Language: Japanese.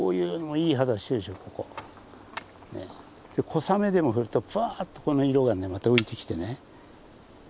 小雨でも降るとぷわっとこの色がまた浮いてきてね。